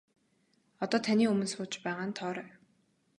Одоо таны өмнө сууж байгаа нь Тоорой.